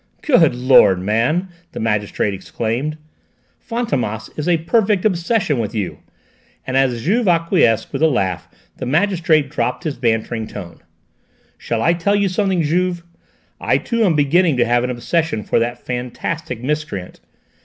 "Good lord, man!" the magistrate exclaimed, "Fantômas is a perfect obsession with you," and as Juve acquiesced with a laugh the magistrate dropped his bantering tone. "Shall I tell you something, Juve? I too am beginning to have an obsession for that fantastic miscreant!